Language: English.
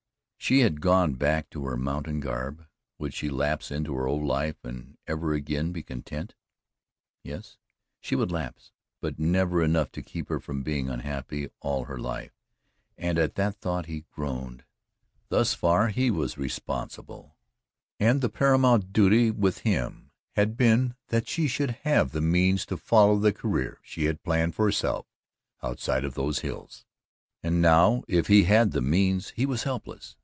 She had gone back to her mountain garb would she lapse into her old life and ever again be content? Yes, she would lapse, but never enough to keep her from being unhappy all her life, and at that thought he groaned. Thus far he was responsible and the paramount duty with him had been that she should have the means to follow the career she had planned for herself outside of those hills. And now if he had the means, he was helpless.